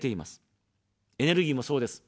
エネルギーもそうです。